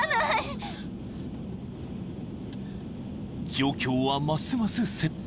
［状況はますます切迫。